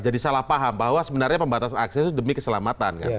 jadi salah paham bahwa sebenarnya pembatasan akses itu demi keselamatan